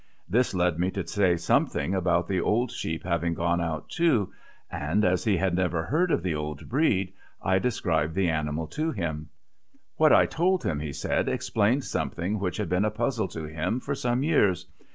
This led me to say something about the old sheep having gone out too, and as he had never heard of the old breed I described the animal to him. What I told him, he said, explained something which had been a puzzle to him for some years.